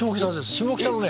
下北のね